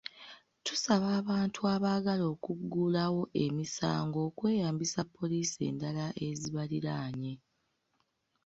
Tusaba abantu abaagala okuggulawo emisango okweyambisa poliisi endala ezibaliraanye.